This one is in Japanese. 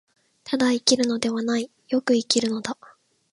ただ生きるのではない、善く生きるのだ。